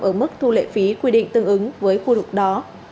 ở mức thu lệ phí quy định tương ứng với khu vực đó